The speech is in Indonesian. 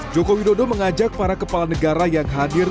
jokowi dodo mengajak para kepala negara yang hadir